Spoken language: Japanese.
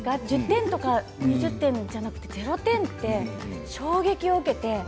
１０点とか２０点ではなくて０点って、衝撃を受けて。